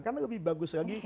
kan lebih bagus lagi